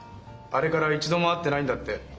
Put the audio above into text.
あれから一度も会ってないんだって？